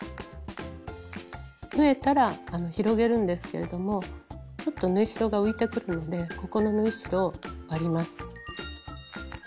縫えたら広げるんですけれどもちょっと縫い代が浮いてくるんでここの縫い代を割ります。